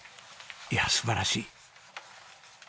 いや素晴らしい。